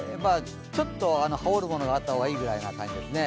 ちょっと羽織るものがあった方がいいぐらいの感じですね。